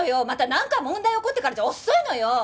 またなんか問題起こってからじゃ遅いのよ！